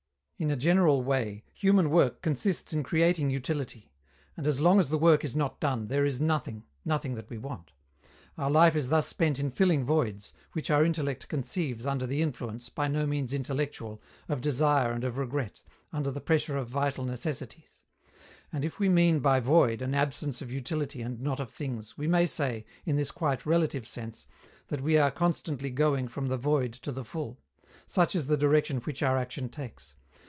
In a general way, human work consists in creating utility; and, as long as the work is not done, there is "nothing" nothing that we want. Our life is thus spent in filling voids, which our intellect conceives under the influence, by no means intellectual, of desire and of regret, under the pressure of vital necessities; and if we mean by void an absence of utility and not of things, we may say, in this quite relative sense, that we are constantly going from the void to the full: such is the direction which our action takes.